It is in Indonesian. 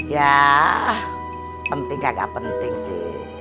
yah penting kagak penting sih